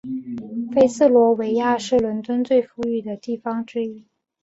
菲茨罗维亚是伦敦最富裕的地区之一。